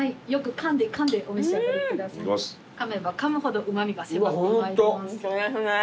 かめばかむほどうま味が迫ってまいります。